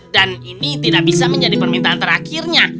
dan ini tidak bisa menjadi permintaan terakhirnya